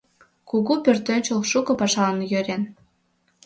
Кугу пӧртӧнчыл шуко пашалан йӧрен.